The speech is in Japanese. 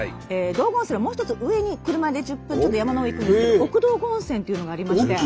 道後温泉のもう一つ上に車で１０分ちょっと山の上へ行くんですけど奥道後温泉というのがありまして。